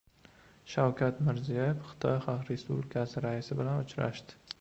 Shavkat Mirziyoyev Xitoy Xalq Respublikasi raisi bilan uchrashdi